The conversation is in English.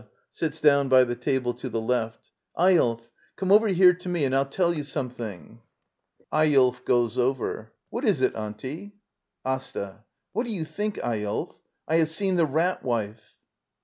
[Sits down by the table to the left.] Eyolf! Come over here to me and FU tell you something. Eyolf. [Goes over.] What is it. Auntie? AsTA. What do you think, Eyolf — I have seen the Rat Wife.